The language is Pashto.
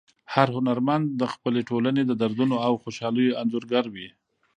هر هنرمند د خپلې ټولنې د دردونو او خوشحالیو انځورګر وي.